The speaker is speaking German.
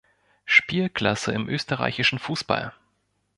Spielklasse im österreichischen Fußball.